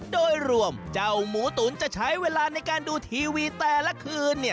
โดยรวมเจ้าหมูตุ๋นจะใช้เวลาในการดูทีวีแต่ละคืน